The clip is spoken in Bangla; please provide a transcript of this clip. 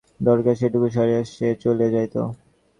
কাজের জন্য তাহাকে যতটুকু দরকার সেইটুকু সারিয়াই সে চলিয়া যাইত।